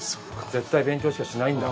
絶対勉強しかしないんだ。